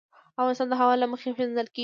افغانستان د هوا له مخې پېژندل کېږي.